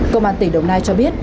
công an tỉnh đồng nai cho biết